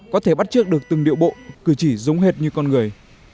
có thể bắt trước được từng điệu bộ cử chỉ giống hệt như con người